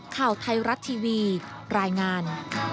ข่าวไทยรัฐทีวีรายงาน